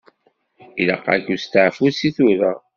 Ilaq-ak usteɛfu seg tura.